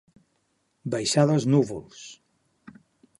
Baixar dels núvols.